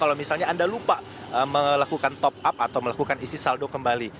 kalau misalnya anda lupa melakukan top up atau melakukan isi saldo kembali